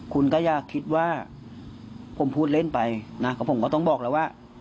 คุณก็อย่าคิดว่าผมพูดเล่นไปนะก็ผมก็ต้องบอกแล้วว่า